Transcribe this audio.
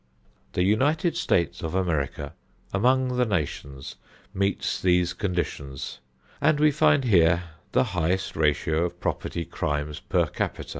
The United States of America, among the nations, meets these conditions, and we find here the highest ratio of property crimes per capita.